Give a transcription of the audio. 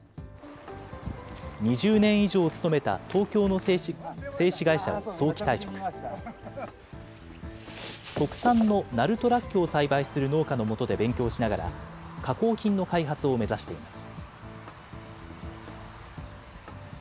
２０年以上勤めた東京の製紙会社を早期退職。の鳴門らっきょを栽培する農家のもとで勉強しながら、加工品の開発を目指しています。